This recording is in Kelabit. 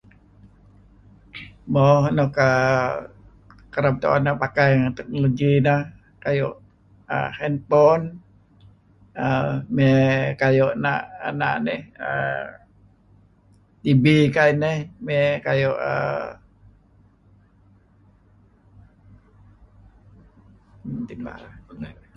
Mo nuk err kereb tu'en pakai teknologi inah kayu handpon err mey kayu' na' ena' nih tv kayu' inah mey kuayu' err enun teh ibal?